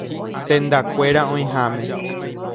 Tendakuéra oĩháme.